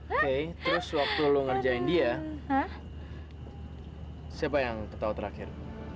oke terus waktu lo ngerjain dia siapa yang ketawa terakhir